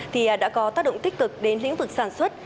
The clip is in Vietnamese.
thì đã có tác động tích cực đến lĩnh vực sản xuất